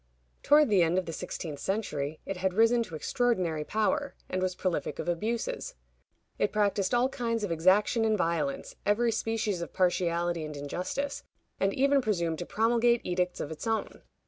Toward the end of the sixteenth century it had risen to extraordinary power, and was prolific of abuses. It practiced all kinds of exaction and violence, every species of partiality and injustice, and even presumed to promulgate edicts of its own.